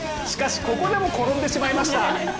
しかし、ここでも転んでしまいました。